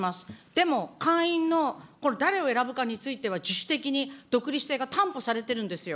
でも会員の、誰を選ぶかについては自主的に独立性が担保されてるんですよ。